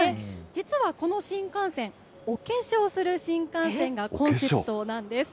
実はこの新幹線、お化粧する新幹線がコンセプトなんです。